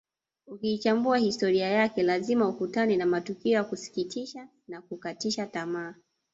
Ukiichambua historia yake lazima ukutane na matukio ya kusikitisha na kukatisha tamaa